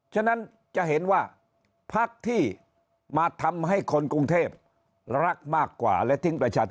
ฉะนั้นจะเห็นว่าพักที่มาทำให้คนกรุงเทพรักมากกว่าและทิ้งประชาชน